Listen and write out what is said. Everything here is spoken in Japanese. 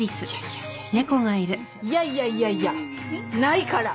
いやいやいやいやないから！